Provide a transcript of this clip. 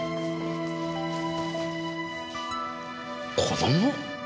子供？